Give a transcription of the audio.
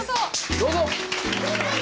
どうぞ！